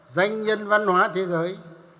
danh nhân văn hóa thế giới